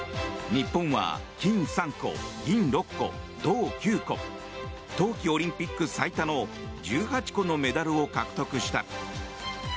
日本は金３個、銀６個、銅９個冬季オリンピック最多の１８個のメダルを獲得した。